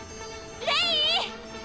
レイ！